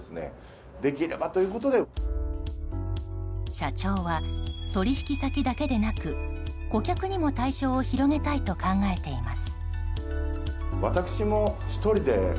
社長は取引先だけでなく、顧客にも対象を広げたいと考えています。